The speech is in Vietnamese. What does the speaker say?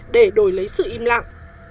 để đổi lấy sự im lặng